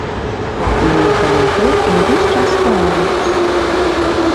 Мы ехалі ў тур і ўвесь час спявалі.